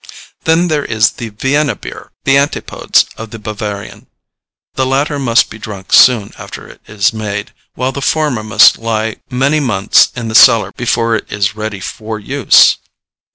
Then there is the Vienna beer, the antipodes of the Bavarian. The latter must be drunk soon after it is made, while the former must lie many months in the cellar before it is ready for use.